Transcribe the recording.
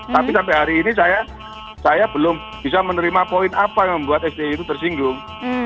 tapi sampai hari ini saya belum bisa menerima poin apa yang membuat sti itu tersinggung